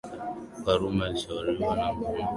Karume alishauriwa na mama yake mzazi kuacha kazi hiyo